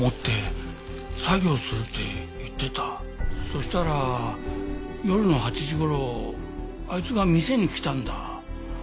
そしたら夜の８時頃あいつが店に来たんだ。